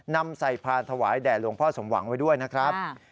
นำใส่พานถวายแด่หลวงพ่อสมหวังไว้ด้วยนะครับ